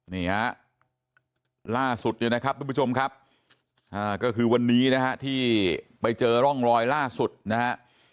นี่ฮะล่าสุดเนี่ยนะครับทุกผู้ชมครับก็คือวันนี้นะฮะที่ไปเจอร่องรอยล่าสุดนะฮะ